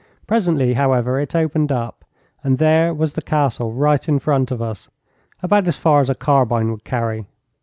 Presently, however, it opened up, and there was the Castle right in front of us, about as far as a carbine would carry.